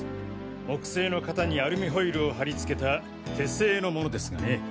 木製の型にアルミホイルを貼りつけた手製のものですがね。